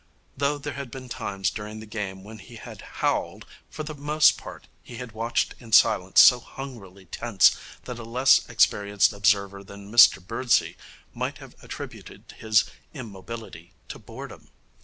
Though there had been times during the game when he had howled, for the most part he had watched in silence so hungrily tense that a less experienced observer than Mr Birdsey might have attributed his immobility to boredom.